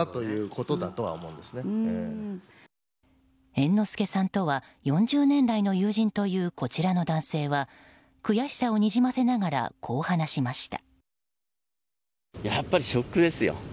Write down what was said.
猿之助さんとは、４０年来の友人というこちらの男性は悔しさをにじませながらこう話しました。